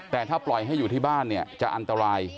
แต่ถ้าปล่อยให้อยู่ที่บ้านเนี่ยจะอันตราย